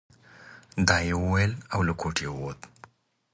دا يې وويل او له کوټې ووت.